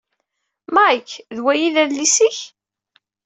Mayk, D wayyi i d adlis-ik?